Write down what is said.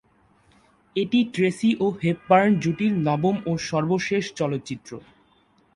এটি ট্রেসি ও হেপবার্ন জুটির নবম ও সর্বশেষ চলচ্চিত্র।